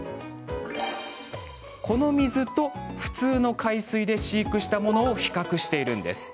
この水と普通の海水で飼育したものを比較しています。